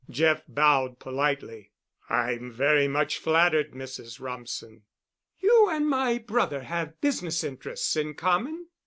Jeff bowed politely. "I'm very much flattered, Mrs. Rumsen." "You and my brother have business interests in common?"